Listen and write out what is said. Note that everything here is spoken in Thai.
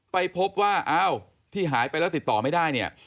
ไปพบว่าที่หายไปแล้วติดต่อไม่ได้